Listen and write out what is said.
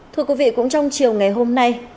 thưa quý vị cũng trong chiều ngày hôm nay